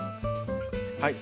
はい。